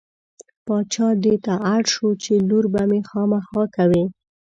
باچا دې ته اړ شو چې لور به مې خامخا کوې.